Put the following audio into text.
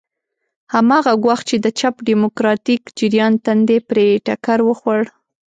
هماغه ګواښ چې د چپ ډیموکراتیک جریان تندی پرې ټکر وخوړ.